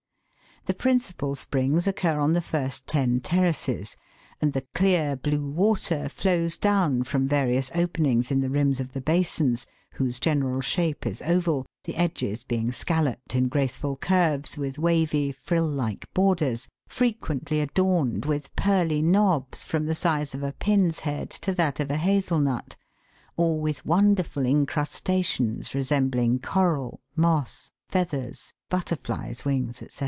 The principal springs occur on the first ten terraces, and the clear, blue water, flows down from various openings in the rims of the basins, whose general shape is oval, the edges being scal loped in graceful curves with wavy frill like borders, fre quently adorned with pearly knobs from the size of a pin's head to that of a hazel nut, or with wonderful incrustations resembling coral, moss, feathers, butterflies' wings, &c.